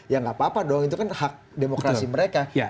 ya nggak apa apa dong itu kan hak demokrasi mereka